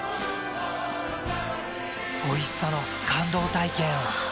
おいしさの感動体験を。